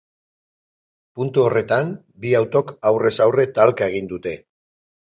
Puntu horretan, bi autok aurrez aurre talka egin dute.